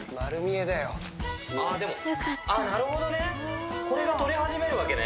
ああ、でも、なるほどね、これが取り始めるわけね。